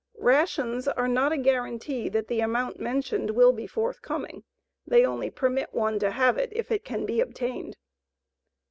Rations are not a guarantee that the amount mentioned will be forthcoming; they only permit one to have it if it can be obtained.